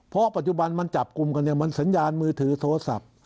เพราะปัจจุบันมันจับกลุ่มกันเนี่ยมันสัญญาณมือถือโทรศัพท์